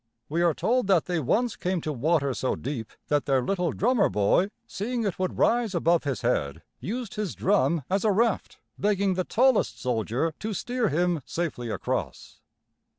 We are told that they once came to water so deep that their little drummer boy, seeing it would rise above his head, used his drum as a raft, begging the tallest soldier to steer him safely across.